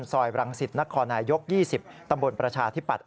ซอยบรังศิษฐ์นครนายยก๒๐ตำบลประชาธิปัตย์